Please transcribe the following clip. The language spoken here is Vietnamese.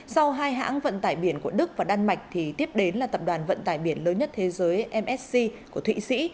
sau hai hãng vận tải biển của đức và đan mạch thì tiếp đến là tập đoàn vận tải biển lớn nhất thế giới msc của thụy sĩ